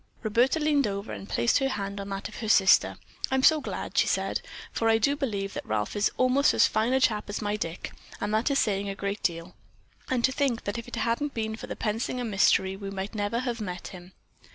Roberta leaned over and placed her hand on that of her sister. "I'm so glad," she said, "for I do believe that Ralph is almost as fine a chap as my Dick, and that is saying a great deal; and to think that if it hadn't been for the Pensinger mystery, we might never have met him."